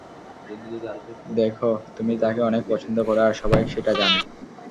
দেখো, তুমি তাকে অনেক পছন্দ করো আর সবাই সেটা জানে।